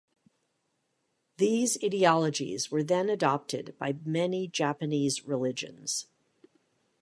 These ideologies were then adopted by many Japanese religions.